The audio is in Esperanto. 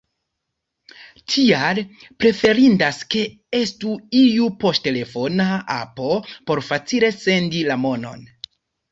Tial preferindas ke estu iu poŝtelefona apo por facile sendi la monon.